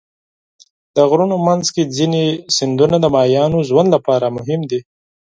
د غرونو منځ کې ځینې سیندونه د ماهیانو ژوند لپاره مهم دي.